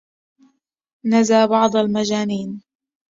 نزا بعض المجانين